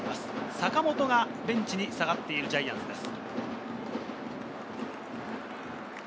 坂本がベンチに下がっているジャイアンツです。